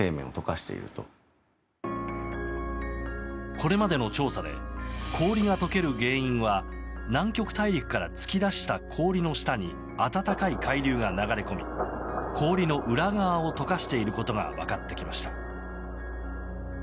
これまでの調査で氷が解ける原因は南極大陸から突き出した氷の下に暖かい海流が流れ込み氷の裏側を解かしていることが分かってきました。